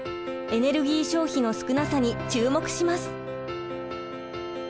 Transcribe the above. エネルギー消費の少なさに注目します！